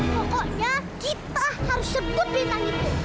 pokoknya kita harus sebut lindang itu